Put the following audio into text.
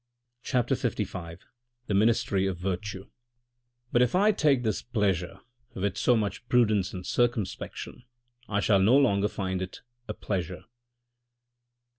CHAPTER LV THE MINISTRY OF VIRTUE But if I take this pleasure with so much prudence and circum spection I shall no longer find it a pleasure.